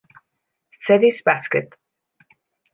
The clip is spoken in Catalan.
Sedis Bàsquet.